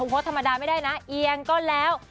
โพสต์ธรรมดาไม่ได้นะเอียงก็แล้ว